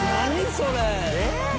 それ。